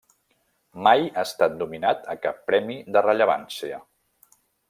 Mai ha estat nominat a cap premi de rellevància.